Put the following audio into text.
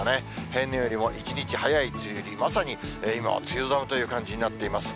平年よりも１日早い梅雨入り、まさに今は梅雨寒という感じになっています。